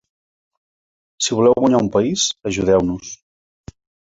Si voleu guanyar un país, ajudeu-nos.